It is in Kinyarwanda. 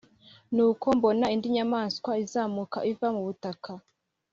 Nuko mbona indi nyamaswa izamuka iva mu butaka.